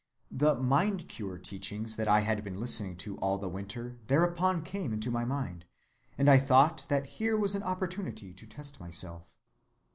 The mind‐cure teachings that I had been listening to all the winter thereupon came into my mind, and I thought that here was an opportunity to test myself.